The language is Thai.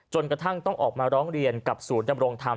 จนกระทั่งต้องออกมาร้องเรียนกับศูนย์ดำรงธรรม